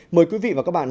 mời quý vị và các bạn